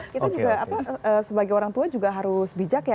kita juga sebagai orang tua juga harus bijak ya